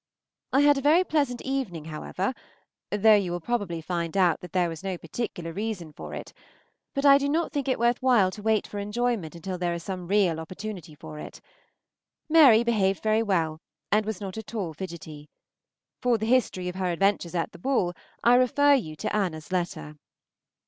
I had a very pleasant evening, however, though you will probably find out that there was no particular reason for it; but I do not think it worth while to wait for enjoyment until there is some real opportunity for it. Mary behaved very well, and was not at all fidgetty. For the history of her adventures at the ball I refer you to Anna's letter.